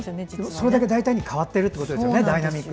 それだけ大胆に変わってるってことですね。